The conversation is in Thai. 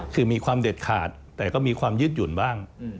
คือมีความเด็ดขาดแต่ก็มีความยืดหยุ่นบ้าง